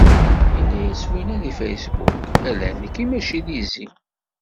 Yenna-yas winna deg Facebook: ala, nekk mačči d izi!